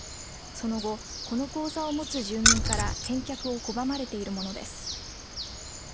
その後、この口座を持つ住民から返却を拒まれているものです。